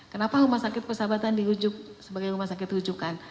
kenapa rumah sakit persahabatan diujuk sebagai rumah sakit diujukan